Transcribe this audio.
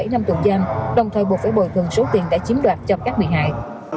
một mươi bảy năm tù giam đồng thời buộc phải bồi gần số tiền đã chiếm đoạt cho các bị hại